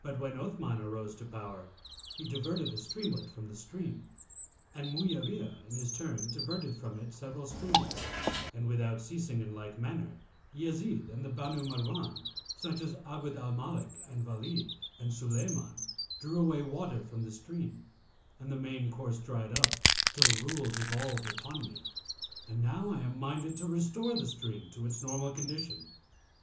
But when Othman arose to power he diverted a streamlet from the stream, and Mu'awiyah in his turn diverted from it several streamlets; and without ceasing in like manner, Yezid and the Banu Marwán such as Abd al Malik and Walíd and Sulaymán[FN#288] drew away water from the stream, and the main course dried up, till rule devolved upon me, and now I am minded to restore the stream to its normal condition.'